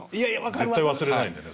絶対忘れないんでね